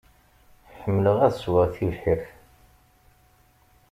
Ḥemmleɣ ad ssweɣ tibḥirt.